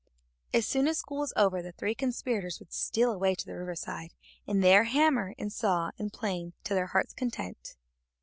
As soon as school was over the three conspirators would steal away to the riverside, and there hammer and saw and plane to their hearts' content.